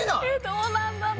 どうなんだろう